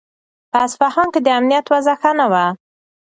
په اصفهان کې د امنیت وضع ښه نه وه.